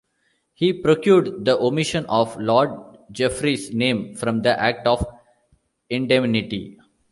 He procured the omission of Lord Jeffreys's name from the Act of Indemnity.